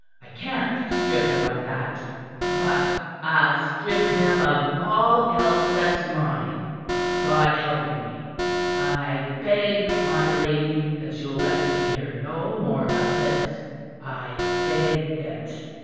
I can't strip him of that. But I'll strip him of all else that's mine, God helping me. I beg, my lady, that you'll let me hear no more of this, I beg it.